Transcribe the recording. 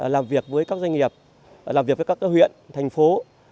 làm việc với các doanh nghiệp làm việc với các huyện thành phố